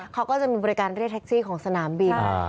เขาก็จะมีบริการเรียกแท็กซี่ของสนามบิน